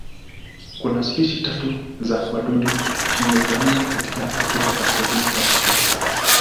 Kuna spishi tatu tu za wadudu shingo-ngamia katika Afrika kaskazini kwa Sahara.